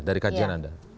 dari kajian anda